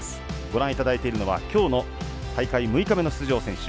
ご覧いただいているのはきょうの大会６日目の出場選手。